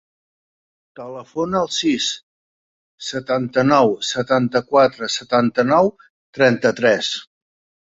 Telefona al sis, setanta-nou, setanta-quatre, setanta-nou, trenta-tres.